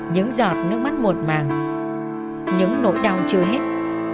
những giọt nước mắt một màng những nỗi đau chưa hết